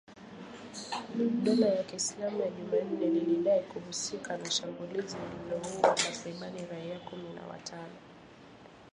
Dola ya Kiislamu siku ya Jumanne lilidai kuhusika na shambulizi lililoua takribani raia kumi na watano